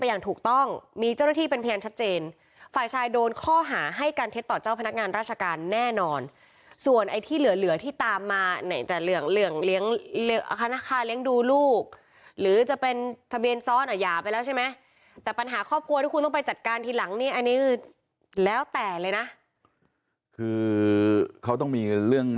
อย่างถูกต้องมีเจ้าหน้าที่เป็นพยานชัดเจนฝ่ายชายโดนข้อหาให้การเท็จต่อเจ้าพนักงานราชการแน่นอนส่วนไอ้ที่เหลือเหลือที่ตามมาไหนแต่เรื่องเรื่องค่าเลี้ยงดูลูกหรือจะเป็นทะเบียนซ้อนอ่ะหย่าไปแล้วใช่ไหมแต่ปัญหาครอบครัวที่คุณต้องไปจัดการทีหลังนี่อันนี้แล้วแต่เลยนะคือเขาต้องมีเรื่อง